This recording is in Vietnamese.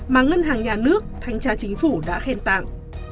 mà ngân hàng nhà nước thanh tra chính phủ đã khen tặng